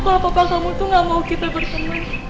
kalau papa kamu tuh gak mau kita bertemu